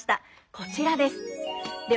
こちらです。